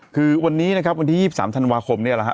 คือวันนี้นะครับวันที่๒๓ธันวาคมเนี่ยแหละฮะ